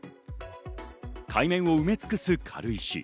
海面を埋め尽くす軽石。